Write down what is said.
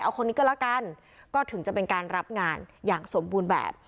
เอาคนนี้ก็แล้วกันก็ถึงจะเป็นการรับงานอย่างสมบูรณ์แบบ